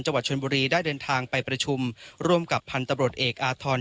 จังหวัดชนบุรีได้เดินทางไปประชุมร่วมกับพันธบรวจเอกอาทร